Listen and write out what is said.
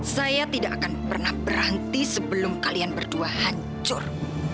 saya tidak akan pernah berhenti sebelum kalian berdua hancur